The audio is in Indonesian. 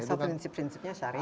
asal prinsip prinsipnya syariah